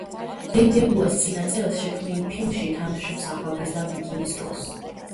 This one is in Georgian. დენ დებლუას წინა წელს შექმნილ ფილმში თამაშობს ახალგაზრდა ვიკინგის როლს.